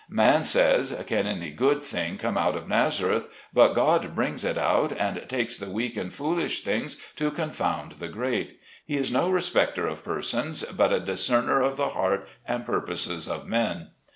Man says, can any good thing come out of Nazareth, but God brings it out, and takes the weak and foolish things to confound the great. He is no respecter of persons, but a discerner of the heart and purposes of men.